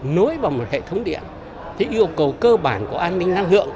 nối vào một hệ thống điện thì yêu cầu cơ bản của an ninh năng lượng